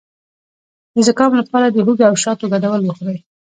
د زکام لپاره د هوږې او شاتو ګډول وخورئ